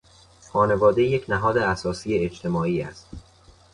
خانواده یک نهاد اساسی اجتماعی است.